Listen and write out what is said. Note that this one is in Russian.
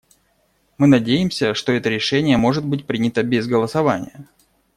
Мы надеемся, что это решение может быть принято без голосования.